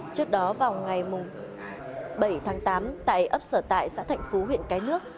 trước đó vào ngày bảy tháng tám tại ấp sở tại xã thạnh phú huyện cái nước